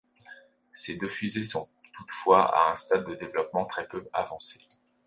Ces deux fusées sont toutefois à un stade de développement très peu avancé.